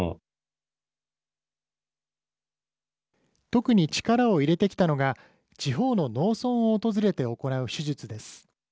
特に力を入れてきたのが地方の農村を訪れて行う手術です。